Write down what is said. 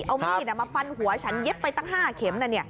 เอามีดมาฟันหัวฉันเย็บไปตั้ง๕เข็ม